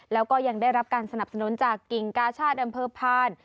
แล้วก็ยังได้รับการสนับสนุนจากกิ่งกาชาติอำเภอพาน